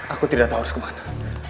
aku tidak tahu harus kemana